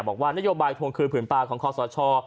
บอกว่านโยบายทวงคืนผืนปลาของคอสช